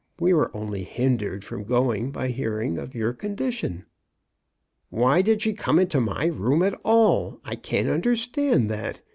We were only hindered from going by hearing of your condition." '* Why did she come into my room at all? I can't understand that.